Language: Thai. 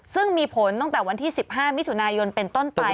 ซึ่งมีผลตั้งแต่วันที่๑๕มิถุนายนเป็นต้นไป